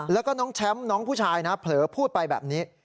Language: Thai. แล้วก็น้องแชมป์น้องผู้ชายนะเผลอพูดไปแบบนี้